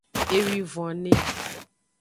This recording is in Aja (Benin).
Ewivone.